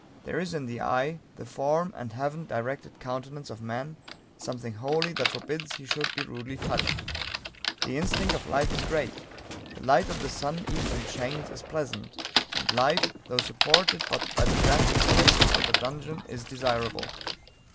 There is in the eye, the form, and heaven directed countenance of man, something holy, that forbids he should be rudely touched. The instinct of life is great. The light of the sun even in chains, is pleasant; and life, though supported but by the damp exhalations of a dungeon, is desirable.